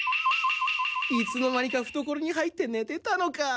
いつの間にかふところに入ってねてたのか！